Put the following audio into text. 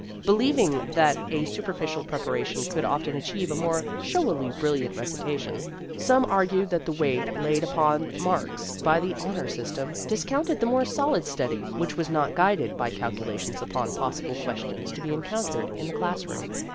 Believ ing that a superficial preparation could often achieve a more showily brilliant recitation, some argued that the weight laid upon marks by the " Honor System" discounted the more solid study which was The Career of a Radical 1 1 7 not guided by calculations upon possible questions to be encountered in the class room.